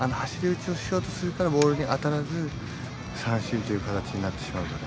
あの走り打ちをしようとするから、ボールに当たらず、三振という形になってしまう。